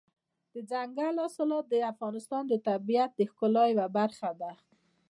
دځنګل حاصلات د افغانستان د طبیعت د ښکلا یوه برخه ده.